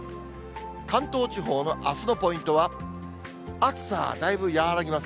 関東地方のあすのポイントは、暑さはだいぶ和らぎます。